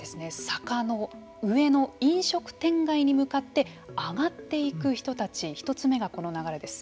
坂の上の飲食店街に向かって上がっていく人たち１つ目が、この流れです。